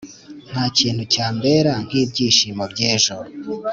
ntakintu cyambera nkibyishimo byejo.